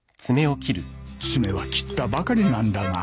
爪は切ったばかりなんだが